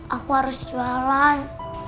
aku harus jualan